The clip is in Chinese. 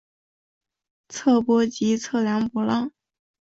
测波即测量波浪。